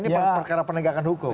ini perkara penegakan hukum